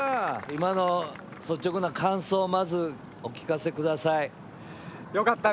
今の率直な感想をまずお聞かせ下さい。